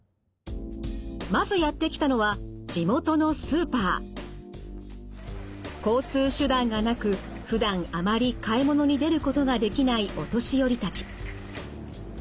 まずやって来たのは交通手段がなくふだんあまり買い物に出ることができないお年寄りたち。